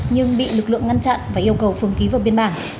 nhưng bị lực lượng ngăn chặn và yêu cầu phường ký vào biên bản